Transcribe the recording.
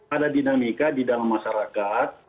ada dinamika di dalam masyarakat